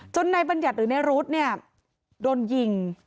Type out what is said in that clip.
จนในบัญญัติหรือในรุธโดนยิง